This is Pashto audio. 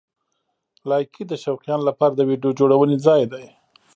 لایکي د شوقیانو لپاره د ویډیو جوړونې ځای دی.